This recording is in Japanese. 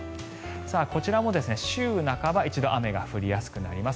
こちらも週半ば一度、雨が降りやすくなります。